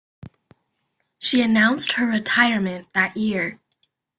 She announced her retirement that year.